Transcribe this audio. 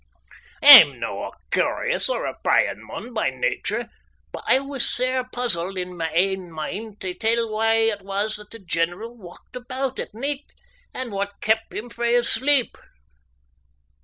I'm no' a curious or a pryin' mun by nature, but I was sair puzzled in my ain mind tae tell why it was that the general walked aboot at nicht and what kept him frae his sleep.